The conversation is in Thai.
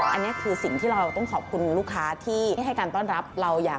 อันนี้คือสิ่งที่เราต้องขอบคุณลูกค้าที่ให้การต้อนรับเราอย่าง